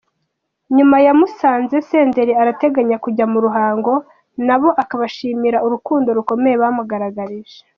Nyuma ya Musanze, Senderi arateganya kujya mu Ruhango nabo akabashimira urukundo rukomeye bamugaragarije.